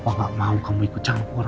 apa buktinya apa